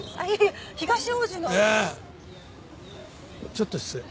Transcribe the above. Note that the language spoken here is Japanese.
ちょっと失礼。